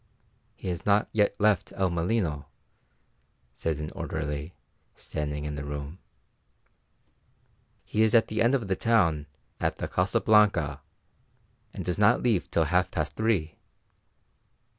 "He has not yet left El Molino," said an orderly, standing in the room. "He is at the end of the town at the Casa Blanca, and does not leave till half past three."